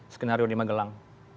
skenario di magelang